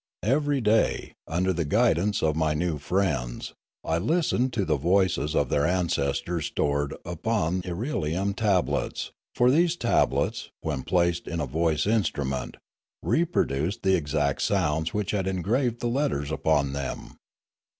Every day, under the guidance of my new friends, I listened to the voices of their ancestors stored up on irelium tablets; for these tablets, when placed in a voice instrument, reproduced the exact sounds which had engraved the letters upon them.